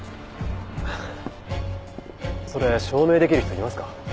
それ証明できる人いますか？